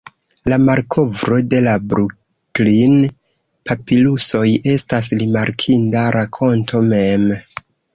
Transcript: La malkovro de la Bruklin-papirusoj estas rimarkinda rakonto mem.